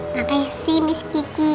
nggak kayak si miss kiki